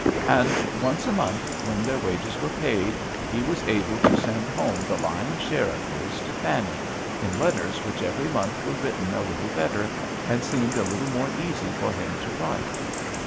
And once a month, when their wages were paid, he was able to send home the lion's share of his to Fanny, in letters which every month were written a little better, and seemed a little more easy for him to write.